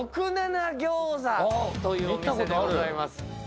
６７餃子というお店でございます。